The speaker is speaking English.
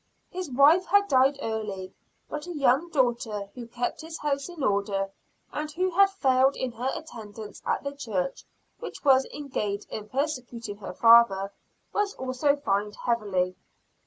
His wife had died early, but a young daughter who kept his house in order, and who had failed in her attendance at the church which was engaged in persecuting her father, was also fined heavily.